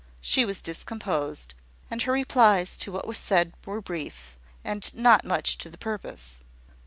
She was discomposed, and her replies to what was said were brief, and not much to the purpose.